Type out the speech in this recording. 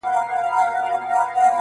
پر مخ وريځ.